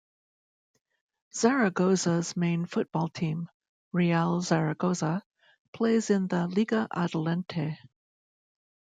Zaragoza's main football team, Real Zaragoza, plays in the Liga Adelante.